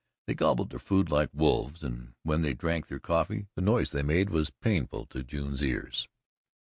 They gobbled their food like wolves, and when they drank their coffee, the noise they made was painful to June's ears.